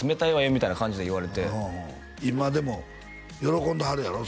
みたいな感じで言われて今でも喜んではるやろ？